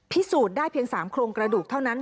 พิสูจน์ได้เพียง๓โครงกระดูกเท่านั้น